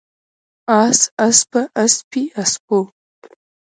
اس، اسپه، اسپې، اسپو